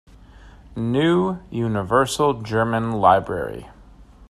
New Universal German Library.